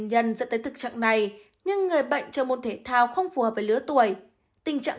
nhân dẫn tới tình trạng này như người bệnh chơi môn thể thao không phù hợp với lứa tuổi tình trạng